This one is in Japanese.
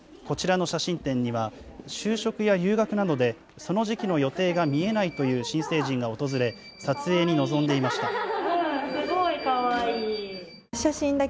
こちらの写真店には、就職や留学などで、その時期の予定が見えないという新成人が訪れ、撮影に臨んでいました。